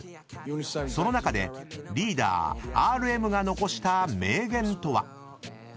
［その中でリーダーＲＭが残した名言とは？］